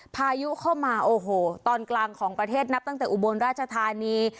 พายุเข้ามาโอ้โหตอนกลางของประเทศนับตั้งแต่อุบลราชธานี